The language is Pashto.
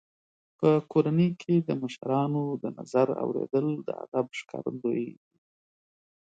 په کورنۍ کې د مشرانو د نظر اورېدل د ادب ښکارندوی دی.